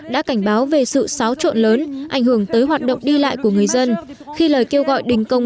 đã cảnh báo về sự xáo trộn lớn ảnh hưởng tới hoạt động đi lại của người dân khi lời kêu gọi đình công